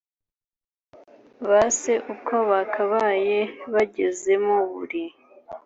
base uko bakabaye bagezemo buri